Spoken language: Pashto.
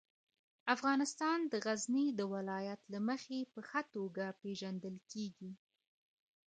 افغانستان د غزني د ولایت له مخې په ښه توګه پېژندل کېږي.